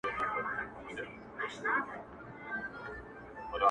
له دغي خاوري مرغان هم ولاړل هجرت کوي